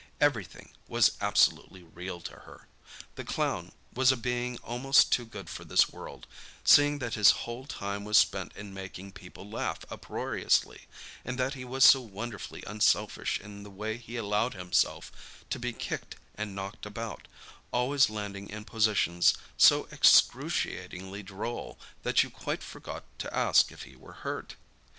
Everything was absolutely real to her. The clown was a being almost too good for this world, seeing that his whole time was spent in making people laugh uproariously, and that he was so wonderfully unselfish in the way he allowed himself to be kicked and knocked about—always landing in positions so excruciatingly droll that you quite forgot to ask if he were hurt.